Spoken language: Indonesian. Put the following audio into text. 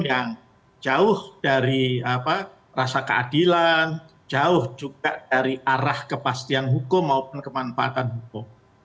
yang jauh dari rasa keadilan jauh juga dari arah kepastian hukum maupun kemanfaatan hukum